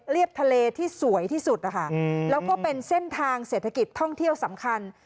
ทะเลที่สวยที่สุดนะคะแล้วก็เป็นเส้นทางเศรษฐกิจท่องเที่ยวสำคัญ